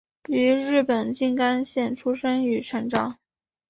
于日本静冈县出生与成长。